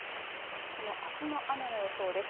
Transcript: そのあすの雨の予想です。